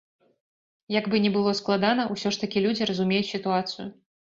Як бы не было складана, усё ж такі людзі разумеюць сітуацыю.